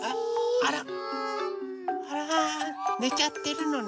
あらねちゃってるのね。